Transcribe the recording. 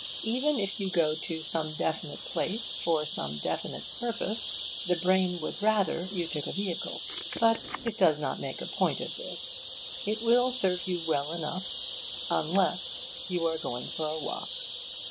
Even if you go to some definite place, for some definite purpose, the brain would rather you took a vehicle; but it does not make a point of this; it will serve you well enough unless you are going for a walk.